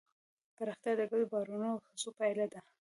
پراختیا د ګډو باورونو او هڅو پایله ده.